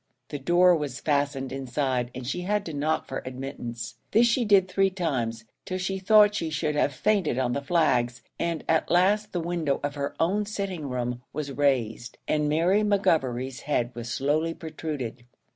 The door was fastened inside, and she had to knock for admittance. This she did three times, till she thought she should have fainted on the flags, and at last the window of her own sitting room was raised, and Mary McGovery's head was slowly protruded.